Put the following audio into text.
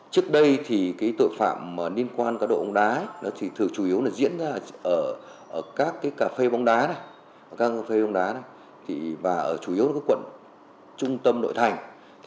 bóng đá thì thường chủ yếu diễn ra ở các cà phê bóng đá và ở chủ yếu là quận trung tâm nội thành